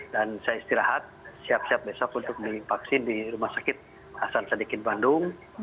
dan saya istirahat siap siap besok untuk dipaksin di rumah sakit hasan sadiqin bandung